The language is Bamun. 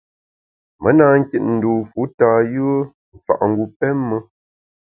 Me na nkit dû fu tâ yùe nsa’ngu pém me.